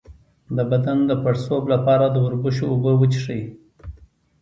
د بدن د پړسوب لپاره د وربشو اوبه وڅښئ